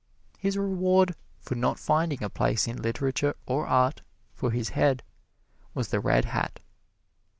His reward for not finding a place in literature or art for his head was the red hat.